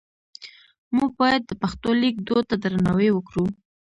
موږ باید د پښتو لیک دود ته درناوی وکړو.